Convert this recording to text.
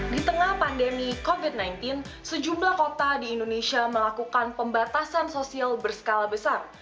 di tengah pandemi covid sembilan belas sejumlah kota di indonesia melakukan pembatasan sosial berskala besar